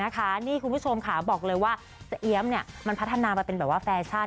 นี่คุณผู้ชมค่ะบอกเลยว่าสะเอี๊ยมมันพัฒนามาเป็นแบบว่าแฟชั่น